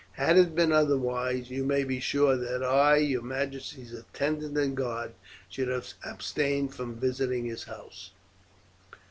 Had it been otherwise, you may be sure that I, your majesty's attendant and guard, should have abstained from visiting his house."